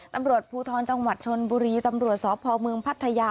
ตำรวจภูทรจังหวัดชนบุรีตำรวจสพเมืองพัทยา